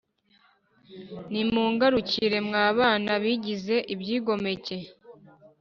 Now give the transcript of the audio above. Nimungarukire mwa bana bigize ibyigomeke